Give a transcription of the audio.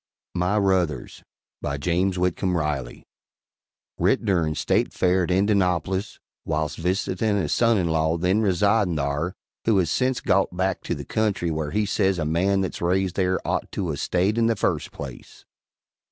MY RUTHERS BY JAMES WHITCOMB RILEY [Writ durin' State Fair at Indanoplis, whilse visitin' a Soninlaw then residin' thare, who has sence got back to the country whare he says a man that's raised thare ot to a stayed in the first place.